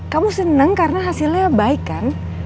kamu senang karena hasilnya baik kan